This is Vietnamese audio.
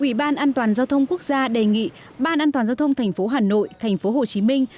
ủy ban an toàn giao thông quốc gia đề nghị ban an toàn giao thông tp hà nội tp hồ chí minh